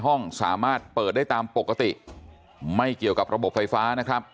ห้องสามารถเปิดได้ตามปกติไม่เกี่ยวกับระบบไฟฟ้านะครับ